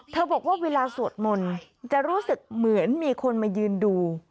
บอกว่าเวลาสวดมนต์จะรู้สึกเหมือนมีคนมายืนดู